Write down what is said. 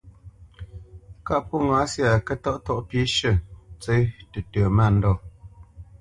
Kâʼ pó ŋǎ syâ, kə́tɔ́ʼtɔ́ʼ pî shʉ̂, ntsə́ tətə mândɔ̂,